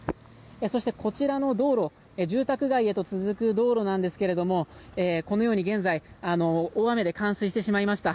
そして、こちらの道路住宅街へと続く道路なんですがこのように現在大雨で冠水してしまいました。